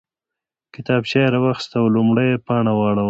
کتابچه یې راواخیسته او لومړۍ پاڼه یې واړوله